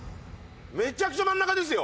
めちゃくちゃ真ん中ですよ。